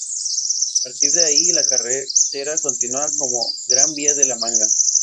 A partir de ahí la carretera continúa como Gran Vía de La Manga.